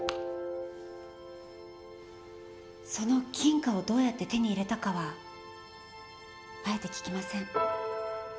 その金貨をどうやって手に入れたかはあえて聞きません。